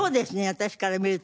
私から見ると。